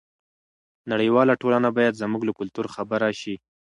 نړیواله ټولنه باید زموږ له کلتور خبره شي.